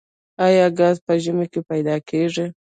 آیا ګاز په ژمي کې پیدا کیږي؟